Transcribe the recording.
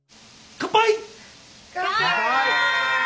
乾杯！